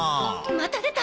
また出た！